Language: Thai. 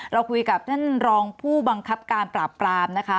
เราคุยกับท่านรองผู้บังคับการปราบปรามนะคะ